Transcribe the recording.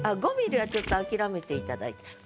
「５ｍｍ」はちょっと諦めていただいて。